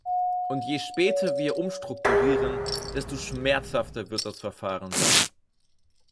Und je später wir umstrukturieren, desto schmerzhafter wird das Verfahren sein.